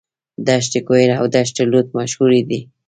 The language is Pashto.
دشت کویر او دشت لوت مشهورې دي.